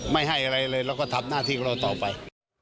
ไม่ให้อะไรเลยเราก็ทำหน้าที่ของเราต่อไป